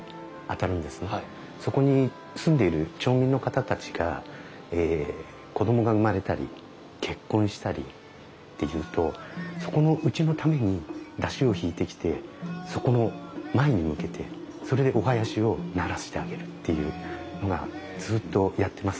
そこに住んでいる町民の方たちがえ子供が生まれたり結婚したりっていうとそこのうちのために山車を引いてきてそこの前に向けてそれでお囃子を鳴らしてあげるっていうのがずっとやってますね。